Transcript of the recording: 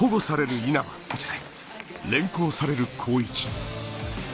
こちらへ。